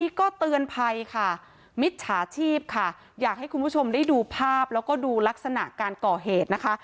นี่ก็เตือนภัยค่ะมิจฉาชีพค่ะอยากให้คุณผู้ชมได้ดูภาพแล้วก็ดูลักษณะการก่อเหตุนะคะ